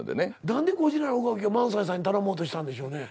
何でゴジラの動きを萬斎さんに頼もうとしたんでしょうね？